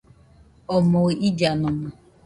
Omoɨ illanomo